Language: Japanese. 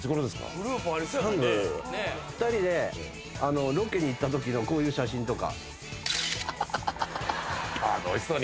２人でロケに行ったときのこういう写真とか。